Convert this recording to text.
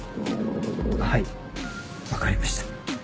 はい分かりました。